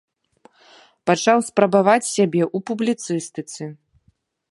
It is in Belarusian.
Пачаў спрабаваць сябе ў публіцыстыцы.